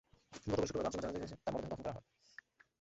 গতকাল শুক্রবার বাদ জুমা জানাজা শেষে তাঁর মরদেহ দাফন করা হয়।